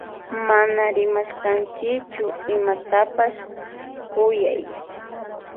Mana rimashkanchichu imatapash kuyay.